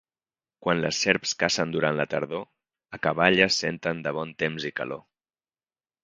Quan les serps cacen durant la tardor, acaballes senten de bon temps i calor.